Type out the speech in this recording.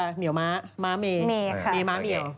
วันนี้พี่ครับ๓สาวค่า